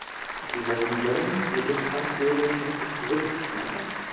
Dieser kann bellen, mit dem Schwanz wedeln und "Sitz" machen.